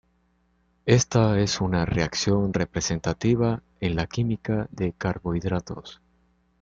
Ésta es una reacción representativa en la química de carbohidratos.